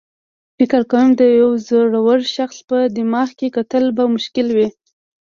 فکر کوم د یو زړور شخص په دماغ کې کتل به مشکل وي.